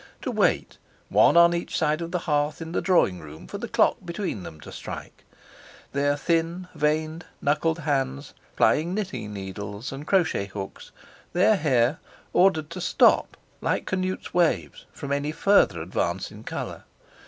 To wait, one on each side of the hearth in the drawing room, for the clock between them to strike; their thin, veined, knuckled hands plying knitting needles and crochet hooks, their hair ordered to stop—like Canute's waves—from any further advance in colour.